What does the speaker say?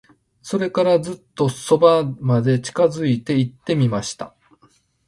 それから、ずっと側まで近づいて行ってみました。